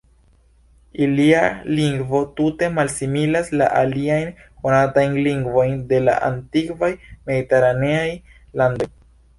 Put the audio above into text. Ilia lingvo tute malsimilas la aliajn konatajn lingvojn de la antikvaj mediteraneaj landoj.